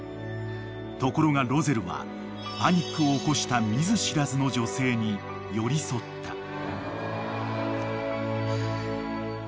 ［ところがロゼルはパニックを起こした見ず知らずの女性に寄り添った］